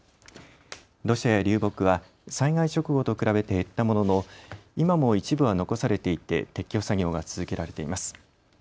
土砂や流木は災害直後と比べて減ったものの今も一部は残されていて撤去作業が続けられています。